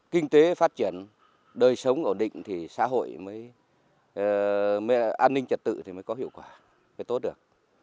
kinh tế phát triển đời sống ổn định xã hội an ninh trật tự mới có hiệu quả mới tốt được